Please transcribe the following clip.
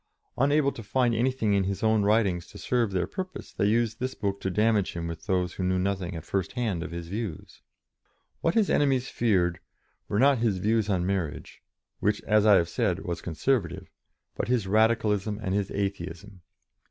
Unable to find anything in his own writings to serve their purpose, they used this book to damage him with those who knew nothing at first hand of his views. What his enemies feared were not his views on marriage which, as I have said, was conservative but his Radicalism and his Atheism.